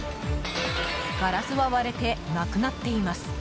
ガラスは割れてなくなっています。